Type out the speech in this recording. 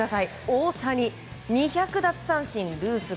大谷２００奪三振ルース